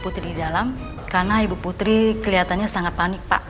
tapi keliatannya sangat panik pak